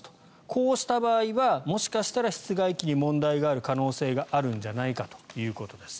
こうした場合はもしかしたら室外機に問題がある可能性があるんじゃないかということです。